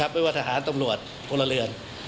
ไม่ว่าทหารตำรวจพลเรือน